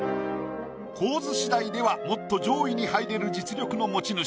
構図次第ではもっと上位に入れる実力の持ち主。